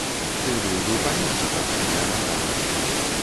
Ты быў бы памешчыкам, а не арандатарам.